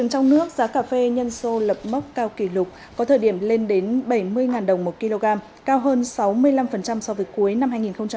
trong nước giá cà phê nhân sô lập mốc cao kỷ lục có thời điểm lên đến bảy mươi đồng một kg cao hơn sáu mươi năm so với cuối năm hai nghìn một mươi chín